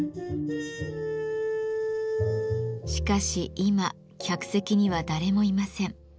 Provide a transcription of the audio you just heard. しかし今客席には誰もいません。